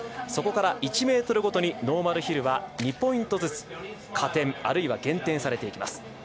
そこから１ｍごとにノーマルヒルは２ポイントずつ加点あるいは減点されます。